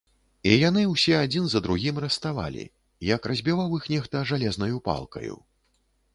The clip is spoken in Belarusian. І яны ўсе адзін за другім раставалі, як разбіваў іх нехта жалезнаю палкаю.